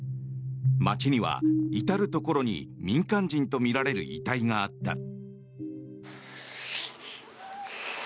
街には至るところに民間人とみられる遺体があった。